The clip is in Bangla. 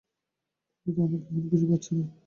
তাতে তো আমার এমন কিছু বাধছে না।